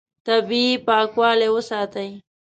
طبیعي پاکوالی وساتئ.